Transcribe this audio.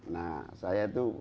nah saya itu